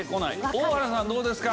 大原さんどうですか？